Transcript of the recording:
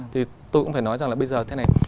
thì tôi cũng phải nói rằng là bây giờ thế này